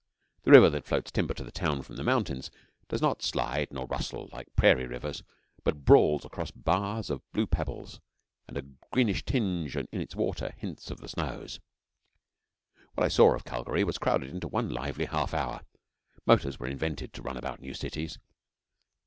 The river that floats timber to the town from the mountains does not slide nor rustle like Prairie rivers, but brawls across bars of blue pebbles, and a greenish tinge in its water hints of the snows. What I saw of Calgary was crowded into one lively half hour (motors were invented to run about new cities).